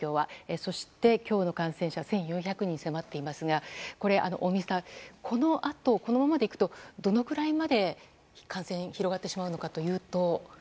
そして今日の感染者は１４００人に迫っていますが尾身さん、このあとこのままでいくとどのぐらいまで感染が広がってしまうのかというと。